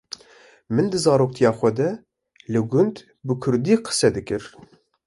Min di zaroktiya xwe de li gund bi Kurdî qise dikir.